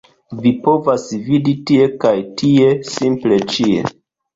Vi povas vidi tie kaj tie - simple ĉie